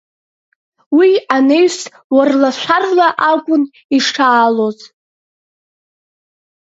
Уи анаҩс уарла-шәарла акәын ишаалоз.